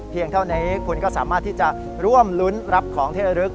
เพียงเท่านั้นคุณก็สามารถที่จะร่วมลุ้นรับของเทศรึก